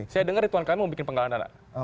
saya dengar ituan kalian mau bikin penggalangan dana